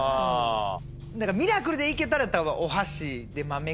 ミラクルでいけたらやったのがお箸で豆か。